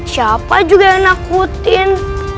siapa juga yang nakutin